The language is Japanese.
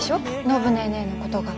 暢ネーネーのことが。